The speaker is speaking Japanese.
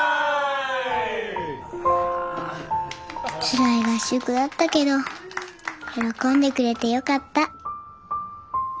つらい合宿だったけど喜んでくれてよかった。